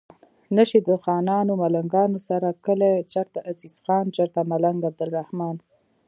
نشي د خانانو ملنګانو سره کلي چرته عزیز خان چرته ملنګ عبدالرحمان